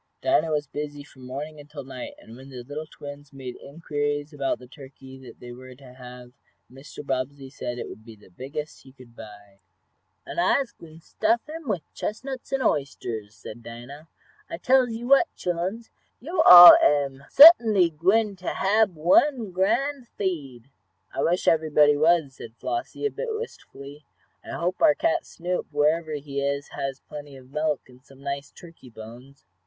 Dinah was busy from morning until night, and when the little twins made inquiries about the turkey they were to have Mr. Bobbsey said it would be the biggest he could buy. "An' I'se gwine t' stuff him wif chestnuts an' oysters," said Dinah. "I tells you what, chilluns, yo' all am suttinly gwine to hab one grand feed." "I wish everybody was," said Flossie, a bit wistfully. "I hope our cat Snoop, wherever he is, has plenty of milk, and some nice turkey bones."